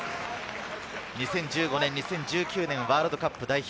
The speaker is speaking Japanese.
２０１５年・２０１９年ワールドカップ代表。